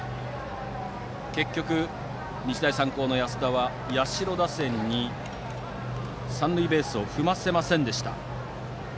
結局、日大三高の安田は社打線に三塁ベースを踏ませませんでした。